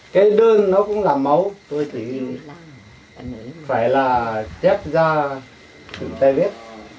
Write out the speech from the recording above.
cái đơn nó cũng làm máu tôi chỉ phải là chép ra tự tay viết